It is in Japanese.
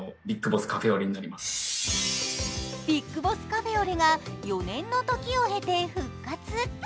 ビッグボスカフェオレが４年のときを経て復活。